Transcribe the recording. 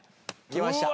きました！